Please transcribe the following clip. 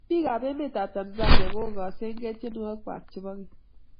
Biikab emetab Tanzania kokasegei tyenwogiik kwai chebo keny.